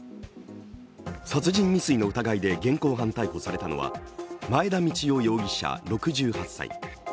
殺人未遂の疑いで現行犯逮捕されたのは前田道夫容疑者６８歳。